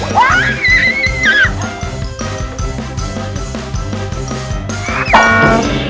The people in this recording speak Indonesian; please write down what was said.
ya allah ya allah